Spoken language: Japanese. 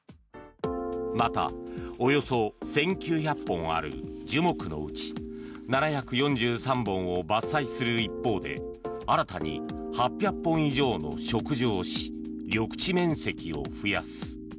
また、およそ１９００本ある樹木のうち７４３本を伐採する一方で新たに８００本以上の植樹をし緑地面積を増やす。